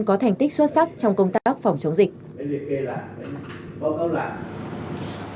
có thành tích xuất sắc trong công tác phòng chống dịch